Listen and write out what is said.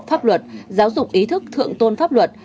pháp luật giáo dục ý thức thượng tôn pháp luật